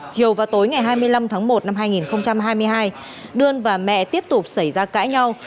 chiều vào tối ngày hai mươi năm tháng một năm hai nghìn hai mươi hai đơn và mẹ tiếp tục xảy ra cãi nhau